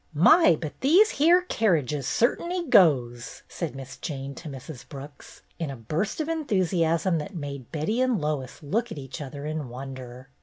"My, but these here kerriges cert'n'y goes !" said Miss Jane to Mrs. Brooks, in a burst of enthusiasm that made Betty and Lois look at each other in wonder.